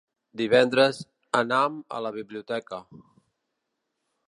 Divendres anam a la biblioteca.